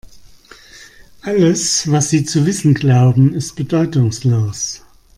Alles, was Sie zu wissen glauben, ist bedeutungslos.